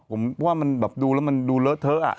ผมว่ามันแบบดูแล้วมันดูเลอะเทอะ